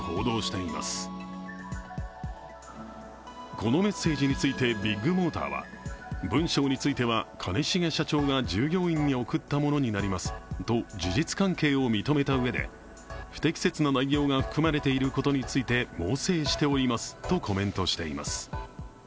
このメッセージについてビッグモーターは文章については兼重社長が従業員に送ったものになりますと事実関係を認めたうえで不適切な内容が含まれていることについて猛省しておりますとコメントしています。